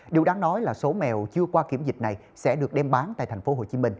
điều đáng nói là số mèo chưa qua kiểm dịch này sẽ được đem bán tại tp hcm